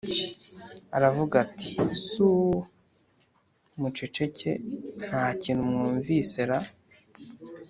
aravuga ati: suuuh! muceceke, ntakintu mwumvise ra!’